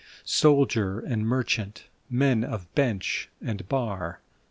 Soldier and merchant, men of bench and bar.